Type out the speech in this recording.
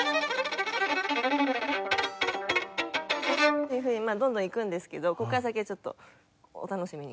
っていうふうにどんどんいくんですけどここから先はちょっとお楽しみに。